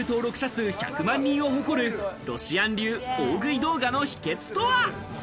数１００万人を誇るロシアン流大食い動画の秘訣とは？